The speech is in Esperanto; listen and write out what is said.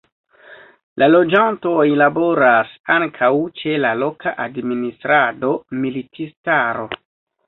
La loĝantoj laboras ankaŭ ĉe la loka administrado, militistaro.